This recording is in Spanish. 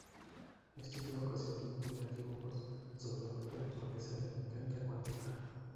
Esto lleva ocasionalmente a equívocos sobre la propia naturaleza de la mecánica cuántica.